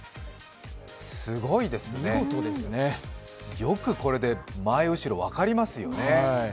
すごいですね、よくこれで前後ろ分かりますよね。